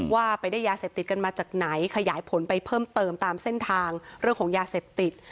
ว่าไปได้ยาเสพติดกันมาจากไหนขยายผลไปเพิ่มเติมตามเส้นทางเรื่องของยาเสพติด